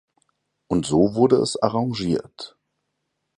Und so wurde es arrangiert.